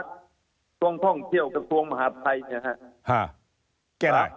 กระทรวงท่องเที่ยวกระทรวงมหาดไทยเนี่ยครับ